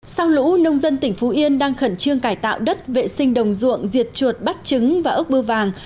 sau lũ nông dân tỉnh phú yên đang khẩn trương cải tạo đất vệ sinh đồng ruộng diệt chuột bắt trứng và ốc bưa vàng